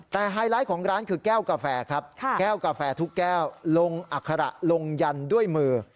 แต่ไฮไลท์ของร้านคือแก้วกาแฟครับแก้วกาแฟทุกแก้วลงอัคระลงยันด้วยมือ